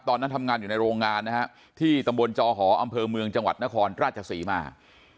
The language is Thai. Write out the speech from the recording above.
ตอนนั้นทำงานอยู่ในโรงงานนะฮะที่ตำบลจอหออำเภอเมืองจังหวัดนครราชศรีมา